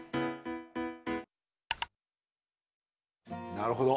なるほど。